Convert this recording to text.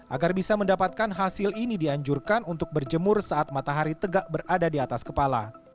agar bisa mendapatkan hasil ini dianjurkan untuk berjemur saat matahari tegak berada di atas kepala